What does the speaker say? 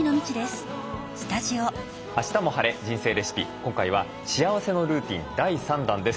今回は幸せのルーティン第３弾です。